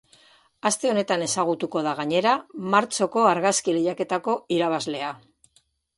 Aste honetan ezagutuko da gainera martxoko argazki lehiaketako irabazlea.